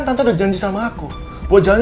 nangis gak jelas